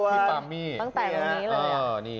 ตั้งแต่ตรงนี้เลย